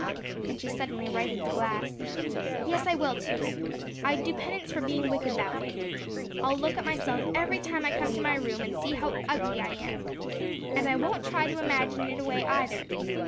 Then she suddenly righted the glass. "Yes, I will, too. I'd do penance for being wicked that way. I'll look at myself every time I come to my room and see how ugly I am. And I won't try to imagine it away, either.